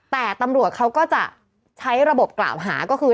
แต่ตำรวจเขาก็จะใช้ระบบกล่าวหาก็คือ